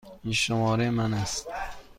این شماره من است.